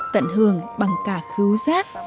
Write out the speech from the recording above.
tận hưởng bằng cả khứu giác